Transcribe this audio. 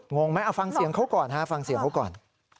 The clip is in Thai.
งงไหมเอาฟังเสียงเขาก่อนฮะฟังเสียงเขาก่อน